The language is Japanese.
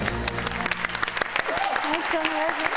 よろしくお願いします。